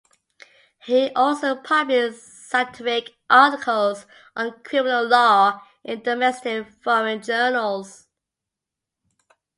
He also published scientific articles on criminal law in domestic and foreign journals.